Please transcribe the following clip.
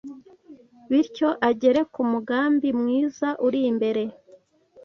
bityo agere ku mugambi mwiza uri imbere